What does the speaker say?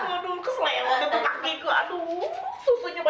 yuk kita penan yuk